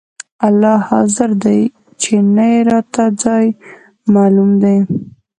الله حاضر دى چې نه يې راته ځاى معلوم دى.